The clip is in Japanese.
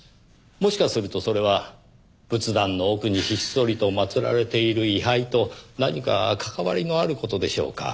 もしかするとそれは仏壇の奥にひっそりと祭られている位牌と何か関わりのある事でしょうか？